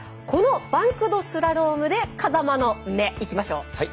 このバンクドスラロームで「風間の目」いきましょう。